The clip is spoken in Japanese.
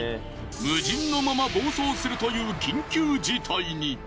無人のまま暴走するという緊急事態に。